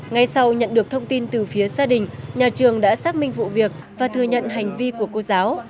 ngay sau nhận được thông tin từ phía gia đình nhà trường đã xác minh vụ việc và thừa nhận hành vi của cô giáo